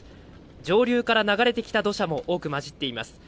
上流から流れてきた土砂も多く混じっています。